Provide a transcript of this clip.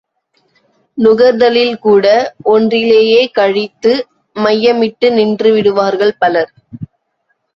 நுகர்தலில் கூட ஒன்றிலேயே கழித்து மையமிட்டு நின்றுவிடுவார்கள் பலர்.